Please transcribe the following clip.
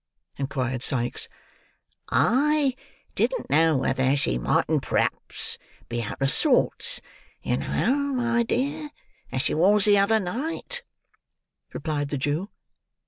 inquired Sikes. "I didn't know whether she mightn't p'r'aps be out of sorts, you know, my dear, as she was the other night," replied the Jew.